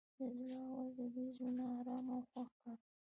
د زړه اواز د دوی زړونه ارامه او خوښ کړل.